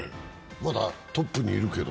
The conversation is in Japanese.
まだトップにいるけど。